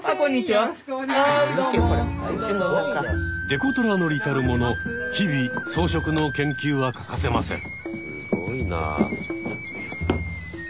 デコトラ乗りたるもの日々装飾の研究は欠かせません。